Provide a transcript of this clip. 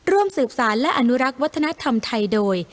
ร่วมสืบสารและอนุรักษ์วัฒนธรรมไทยโดย